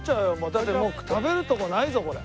だってもう食べるとこないぞこれ。